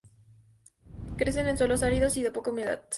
Crecen en suelos áridos y de poca humedad.